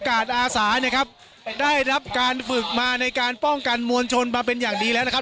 อาสาเนี่ยครับได้รับการฝึกมาในการป้องกันมวลชนมาเป็นอย่างดีแล้วนะครับ